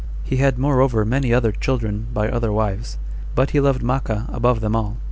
He had moreover many other children by other wives, but he loved Maachah above them all.